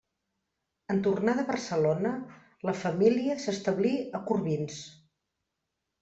En tornar de Barcelona, la família s’establí a Corbins.